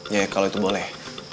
ya kalau itu boleh